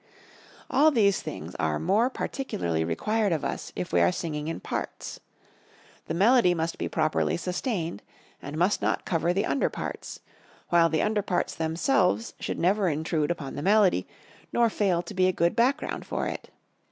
All these things are more particularly required of us if we are singing in parts. The melody must be properly sustained and must not cover the under parts; while the under parts themselves should never intrude upon the melody, nor fail to be a good background for it.